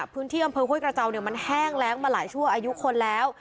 พื้นที่อำเภอห้วยกระเจ้าเนี่ยมันแห้งแรงมาหลายชั่วอายุคนแล้ว